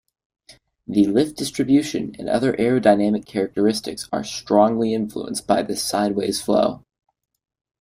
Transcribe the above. The lift distribution and other aerodynamic characteristics are strongly influenced by this sideways flow.